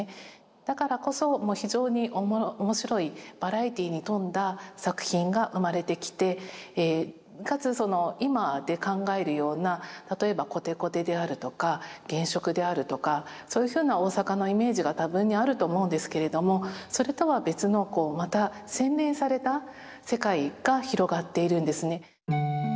だからこそ非常に面白いバラエティーに富んだ作品が生まれてきてかつその今で考えるような例えばコテコテであるとか原色であるとかそういうふうな大阪のイメージが多分にあると思うんですけれどもそれとは別のまた洗練された世界が広がっているんですね。